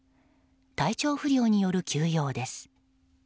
体調不良による休養です。